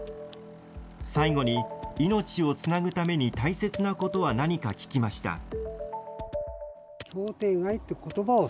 最後に、命をつなぐために大切なことは何か聞きました。